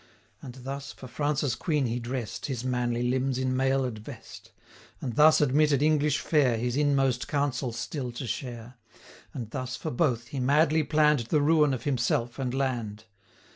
And thus, for France's Queen he drest His manly limbs in mailed vest; And thus admitted English fair His inmost counsels still to share; 280 And thus, for both, he madly plann'd The ruin of himself and land!